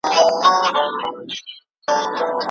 د هلک د سر ټک پورته شو.